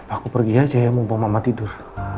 aku pergi aja ya mumpung mama tidur